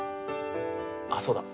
あそうだ。